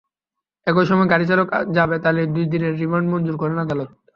একই সময় গাড়ি চালক জাবেদ আলীর দুই দিনের রিমান্ড মঞ্জুর করেন আদালত।